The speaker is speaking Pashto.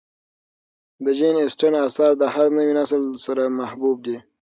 د جین اسټن آثار د هر نوي نسل سره محبوب دي.